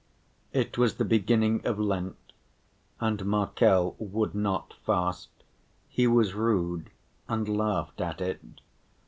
It was the beginning of Lent, and Markel would not fast, he was rude and laughed at it.